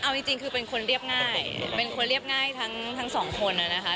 เอาจริงคือเป็นคนเรียบง่ายเป็นคนเรียบง่ายทั้งสองคนนะคะ